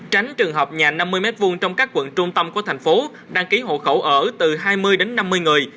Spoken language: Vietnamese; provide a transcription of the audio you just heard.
tránh trường hợp nhà năm mươi m hai trong các quận trung tâm của thành phố đăng ký hộ khẩu ở từ hai mươi đến năm mươi người